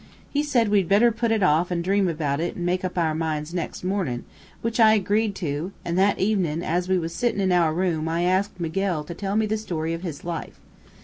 He said we'd better put it off and dream about it, and make up our minds nex' mornin', which I agreed to, an', that evenin', as we was sittin' in our room I asked Miguel to tell me the story of his life.